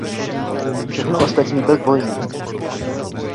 Všechno ostatní byl dvojník.